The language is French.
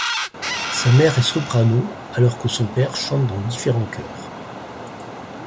Sa mère est soprano alors que son père chante dans différents chœurs.